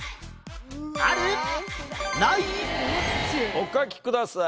お書きください。